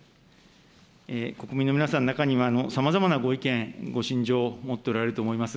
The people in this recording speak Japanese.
国民の皆さんの中には、さまざまなご意見、ご心情を持っておられると思います。